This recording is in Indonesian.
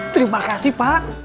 terima kasih pak